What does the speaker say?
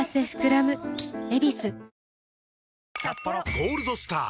「ゴールドスター」！